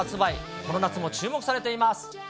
この夏も注目されています。